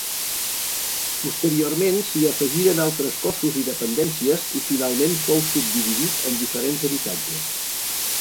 Posteriorment s'hi afegiren altres cossos i dependències i finalment fou subdividit en diferents habitatges.